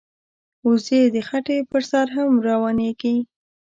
وزې د خټې پر سر هم روانېږي